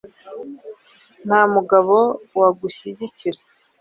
Nta mugabo wagushyigikira :